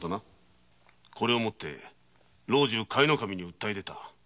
これを持って老中の板倉に訴え出た。